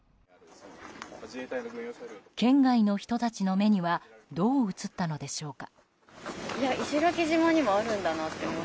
県外の人たちの目にはどう映ったのでしょうか。